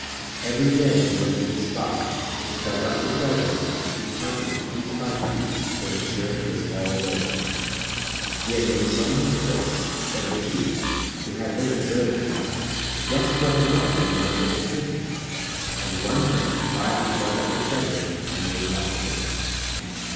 Every day he went to the spot, dug up the treasure and counted it piece by piece to make sure it was all there. He made so many trips that a Thief, who had been observing him, guessed what it was the Miser had hidden, and one night quietly dug up the treasure and made off with it.